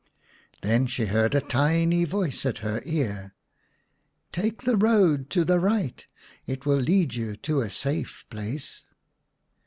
Then she heard a tiny voice at her ear, "Take the road to the right; it will lead you to a safe place."